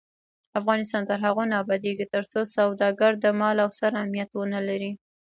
افغانستان تر هغو نه ابادیږي، ترڅو سوداګر د مال او سر امنیت ونلري.